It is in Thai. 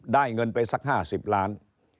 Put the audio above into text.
เงินไปสัก๕๐ล้าน